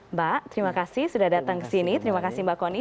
mbak terima kasih sudah datang kesini terima kasih mbak kony